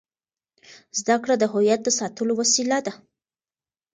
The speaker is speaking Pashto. زده کړه د هویت د ساتلو وسیله ده.